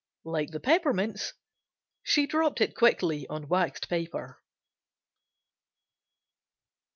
Like the peppermints, she dropped quickly on waxed paper.